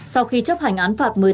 sau khi chấp hành án phạt